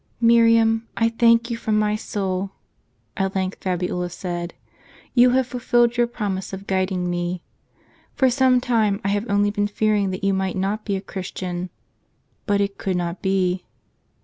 "Miriam, I thank you from my soul," at length Fabiola said ;" you have fulfilled your promise of guiding me. For some time I have only been fearing that you might not be a Christian ; but it could not be.